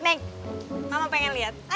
mama pengen lihat